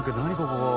ここ。